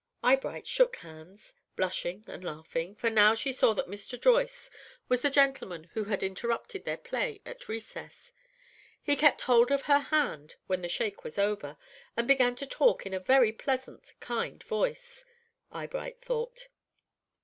Eyebright shook hands, blushing and laughing, for now she saw that Mr. Joyce was the gentleman who had interrupted their play at recess. He kept hold of her hand when the shake was over, and began to talk in a very pleasant, kind voice, Eyebright thought.